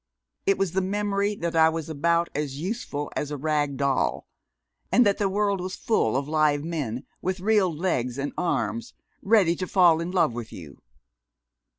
"It was the memory that I was about as useful as a rag doll, and that the world was full of live men with real legs and arms, ready to fall in love with you.